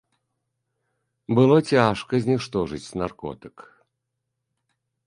Было цяжка зніштожыць наркотык.